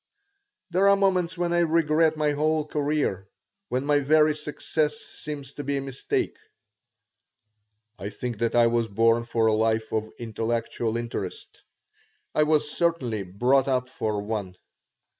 There are moments when I regret my whole career, when my very success seems to be a mistake. I think that I was born for a life of intellectual interest. I was certainly brought up for one.